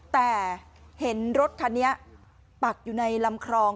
แต่เห็นรถคันนี้ปักอยู่ในลำคลอง